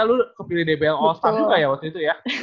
lalu kepilih dbl all star juga ya waktu itu ya